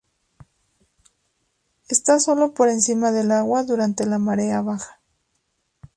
Esta sólo por encima del agua durante la marea baja.